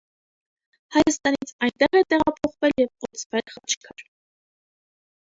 Հայաստանից այնտեղ է տեղափոխվել և օծվել խաչքար։